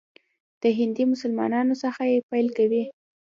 د هندي مسلمانانو څخه یې پیل کوي.